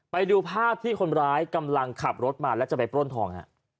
ไปดูภาพที่คนร้ายกำลังขับรถมาแล้วจะไปปล้นทองฮะ